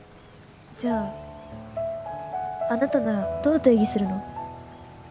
じゃああなたならどう定義するの？